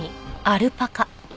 アルパカ？